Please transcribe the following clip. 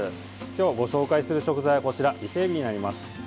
今日ご紹介する食材はこちら、伊勢えびになります。